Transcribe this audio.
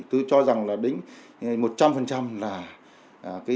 tôi cho rằng là đến một trăm linh là